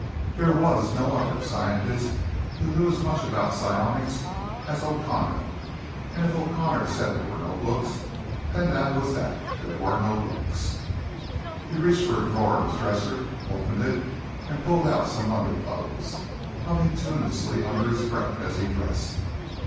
There was no other scientist who knew as much about psionics as O'Connor, and if O'Connor said there were no books, then that was that: there were no books. He reached for a drawer in his dresser, opened it and pulled out some underclothes, humming tunelessly under his breath as he dressed.